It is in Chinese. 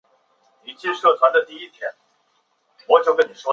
影片反映出西方幽默与北韩封闭的体制的交流碰撞。